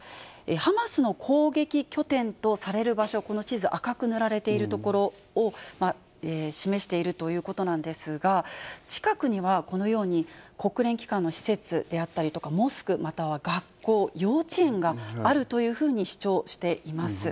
ハマスの攻撃拠点とされる場所、この地図、赤く塗られている所を示しているということなんですが、近くにはこのように国連機関の施設であったりとか、モスク、または学校、幼稚園があるというふうに主張しています。